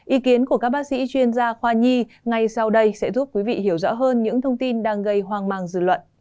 ý kiến của các bác sĩ chuyên gia khoa nhi ngay sau đây sẽ giúp quý vị hiểu rõ hơn những thông tin đang gây hoang mang dư luận